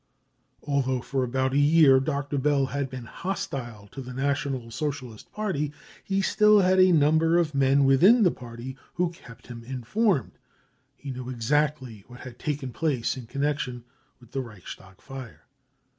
Although for about a year Dr. Bell had been hostile to the National Socialist Party, he still had a number of men within the party who kept him informed. He knew exactly what had taken place in connection with the Reichstag fire.